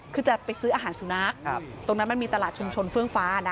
คือจะไปซื้ออาหารสุนัขตรงนั้นมันมีตลาดชุมชนเฟื่องฟ้านะ